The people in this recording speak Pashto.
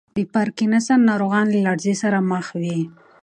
د پارکینسن ناروغان له لړزې سره مخ وي.